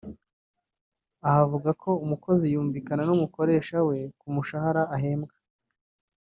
aha avuga ko umukozi yumvikana n’umukoresha we ku mushahara ahembwa